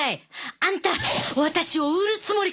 あんた私を売るつもりか！？